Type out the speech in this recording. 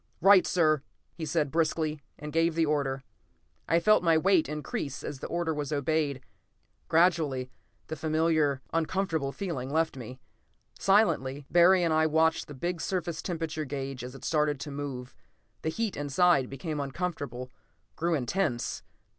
"Right, sir!" he said briskly, and gave the order. I felt my weight increase as the order was obeyed; gradually the familiar, uncomfortable feeling left me. Silently, Barry and I watched the big surface temperature gauge as it started to move. The heat inside became uncomfortable, grew intense.